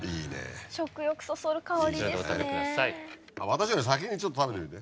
私より先にちょっと食べてみて。